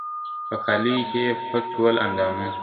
په کالیو کي یې پټ ول اندامونه !.